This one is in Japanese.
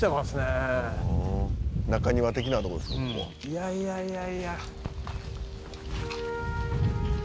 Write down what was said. いやいやいやいや。